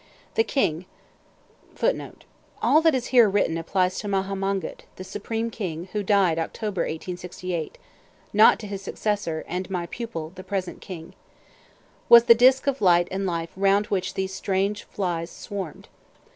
The king [Footnote: All that is here written applies to Maha Mongkut, the supreme king, who died October, 1868; not to his successor (and my pupil), the present king.] was the disk of light and life round which these strange flies swarmed.